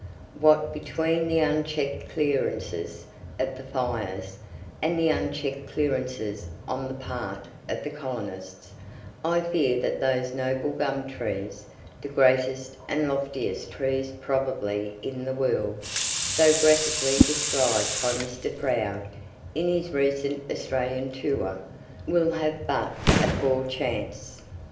What between the unchecked clearances of the fires, and the unchecked clearances on the part of the colonists, I fear that those noble gum trees, the greatest and loftiest trees probably in the world, so graphically described by Mr. Froude in his recent Australian tour, will have but a poor chance.